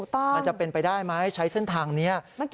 มันจะเป็นไปได้ไหมใช้เส้นทางนี้